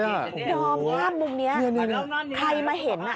ดอมภาพมุมนี้ใครมาเห็น